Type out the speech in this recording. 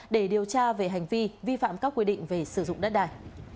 để điều tra về hành vi vi phạm các quy định về sử dụng đất đài